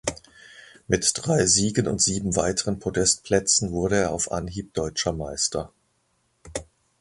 Mit drei Siegen und sieben weiteren Podestplätzen wurde er auf Anhieb Deutscher Meister.